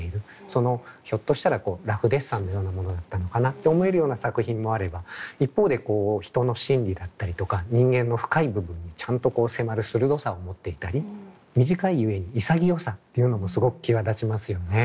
そのひょっとしたらラフデッサンのようなものだったのかなと思えるような作品もあれば一方で人の心理だったりとか人間の深い部分にちゃんと迫る鋭さを持っていたり短いゆえに潔さというのもすごく際立ちますよね。